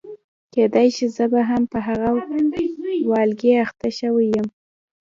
کېدای شي زه به هم په هغه والګي اخته شوې یم.